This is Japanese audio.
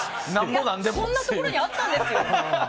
こんなところにあったんですよ